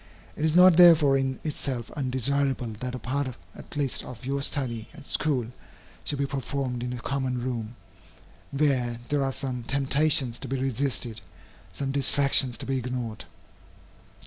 It is not therefore in itself undesirable that a part at least of your study at school should be performed in a common room, where there are some temptations to be resisted, some distractions to be ignored.